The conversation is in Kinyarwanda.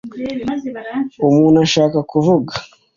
umuntu ashaka kuvuga.